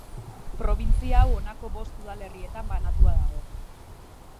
Probintzia hau honako bost udalerrietan banatua dago.